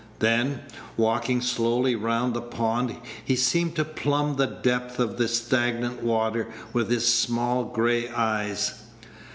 Then, walking slowly round the pond, he seemed to plumb the depth of the stagnant water with his small gray eyes.